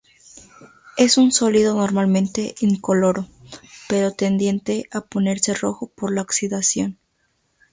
Es un sólido normalmente incoloro, pero tendiente a ponerse rojo por la oxidación.